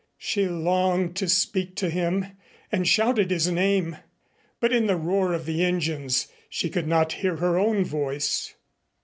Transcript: She longed to speak to him and shouted his name. But in the roar of the engines she could not hear her own voice.